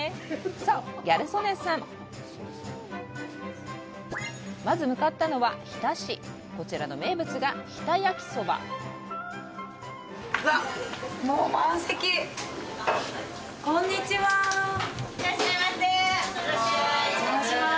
そうギャル曽根さんまず向かったのは日田市こちらの名物がひたやきそばわっもう満席こんにちはいらっしゃいませお邪魔します